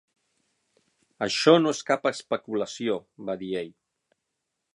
""Això no és cap especulació", va dir ell."